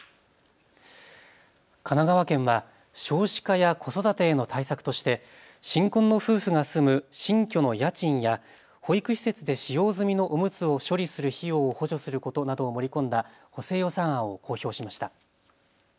神奈川県は少子化や子育てへの対策として新婚の夫婦が住む新居の家賃や保育施設で使用済みのおむつを処理する費用を補助することなどを盛り込んだ補正予算案を公表しました。